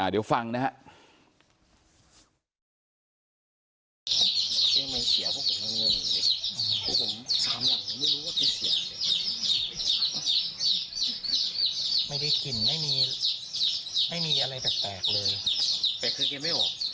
เดี๋ยวฟังนะครับ